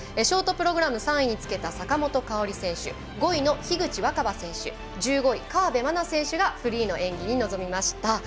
ショートプログラム３位につけた坂本花織選手５位の樋口新葉選手１５位、河辺愛菜選手がフリーの演技に臨みました。